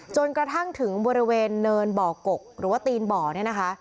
จนกระทั่งถึงบริเวณเนินบ่อกกหรือว่าตีนบ่อเนี่ยนะคะ